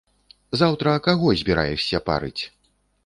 Заўтра каго збіраешся парыць?